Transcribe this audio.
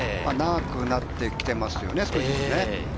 長くなってきていますよね。